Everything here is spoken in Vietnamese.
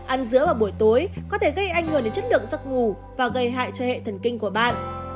ăn giữa và buổi tối có thể gây ảnh hưởng đến chất lượng giấc ngủ và gây hại cho hệ thần kinh của bạn